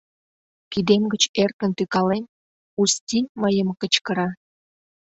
Кидем гыч эркын тӱкален, Усти мыйым кычкыра.